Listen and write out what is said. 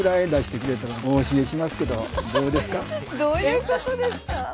どういうことですか？